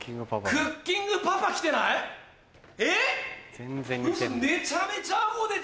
クッキングパパ来てるじゃん。